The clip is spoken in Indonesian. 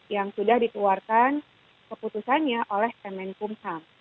yang sudah ditularkan keputusannya oleh mnkumsam